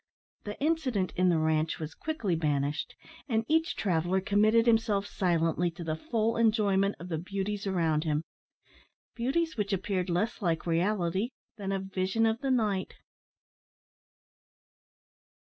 The incident in the ranche was quickly banished, and each traveller committed himself silently to the full enjoyment of the beauties around him beauties which appeared less like reality than a vision of the night.